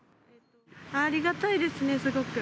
ありがたいですね、すごく。